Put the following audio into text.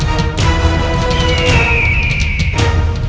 pergi ke melayu